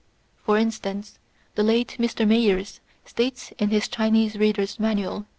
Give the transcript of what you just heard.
For instance, the late Mr. Mayers states in his Chinese Reader's Manual, p.